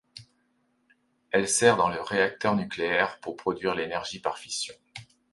Il sert dans les réacteurs nucléaires, pour produire de l'énergie par fission.